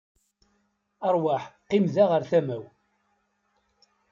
Rwaḥ, qqim da ɣer tama-w.